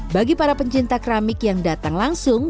bagi para pencinta keramik yang datang langsung